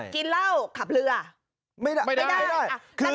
กินเหล้าขับเรือ